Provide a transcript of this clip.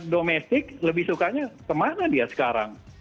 domestik lebih sukanya kemana dia sekarang